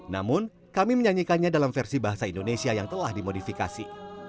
namun kami menyanyikannya dalam versi bahasa indonesia yang telah dimodifikasi